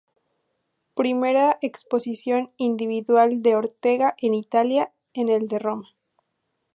Primera exposición individual de Ortega en Italia, en el de Roma.